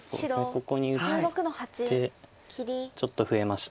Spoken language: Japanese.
ここに打ってちょっと増えました。